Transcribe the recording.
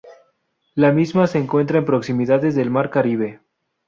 La misma se encuentra en proximidades del mar Caribe.